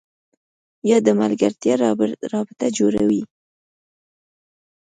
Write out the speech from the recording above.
یا د ملګرتیا رابطه جوړوي